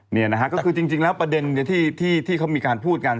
นี่นะฮะก็คือจริงแล้วประเด็นที่เขามีการพูดกัน